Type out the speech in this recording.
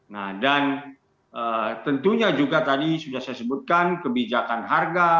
nah dan tentunya juga tadi sudah saya sebutkan kebijakan harga